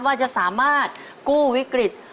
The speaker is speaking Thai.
ว่าจะสามารถกู้วิกฤต